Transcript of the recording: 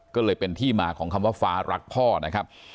ก็เลยเป็นที่มาของคำว่าฟ้ารักพ่อนะครับ